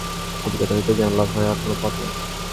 অভিজ্ঞতা হইতে জ্ঞানলাভ হয়, আর কোন পথ নাই।